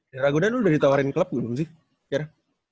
di ragunan lu udah ditawarin klub dulu sih kira kira